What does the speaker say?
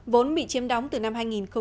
vốn bị chiếm đóng từ năm hai nghìn một mươi